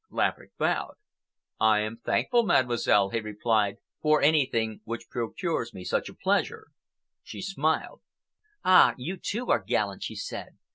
Laverick bowed. "I am thankful, Mademoiselle," he replied, "for anything which procures me such a pleasure." She smiled. "Ah! you, too, are gallant," she said.